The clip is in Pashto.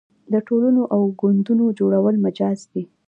د ټولنو او ګوندونو جوړول مجاز دي.